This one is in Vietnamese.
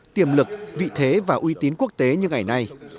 tiềm lực vị thế và uy tín quốc tế như ngày nay